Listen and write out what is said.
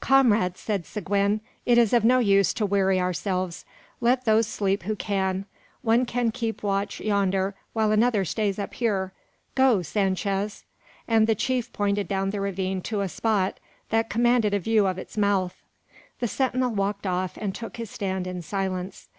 "Comrades!" said Seguin, "it is of no use to weary ourselves. Let those sleep who can. One can keep watch yonder while another stays up here. Go, Sanchez!" and the chief pointed down the ravine to a spot that commanded a view of its mouth. The sentinel walked off, and took his stand in silence.